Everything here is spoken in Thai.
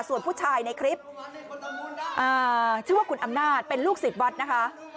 ส่วนผู้ชายในคลิปชื่อว่าคุณอำนาจเป็นลูกศิษย์วัดนะคะ